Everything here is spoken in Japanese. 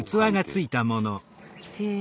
へえ。